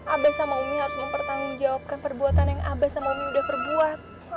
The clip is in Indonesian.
abah sama umi harus mempertanggung jawabkan perbuatan yang abah sama umi udah perbuat